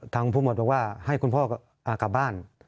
ผู้หมดบอกว่าให้คุณพ่อกลับบ้าน